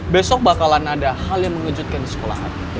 besok bakalan ada hal yang mengejutkan di sekolahan